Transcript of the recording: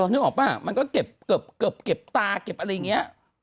นึกออกปะมันก็เก็บตาเก็บอะไรอย่างนี้